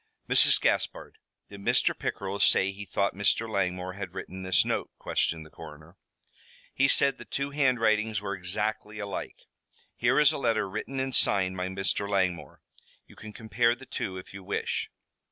"Mrs. Gaspard, did Mr. Pickerell say he thought Mr. Langmore had written this note?" questioned the coroner. "He said the two handwritings were exactly alike. Here is a letter written and signed by Mr. Langmore. You can compare the two, if you wish."